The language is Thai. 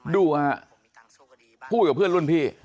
ดูครับพูดของเพื่อนร่วนพี่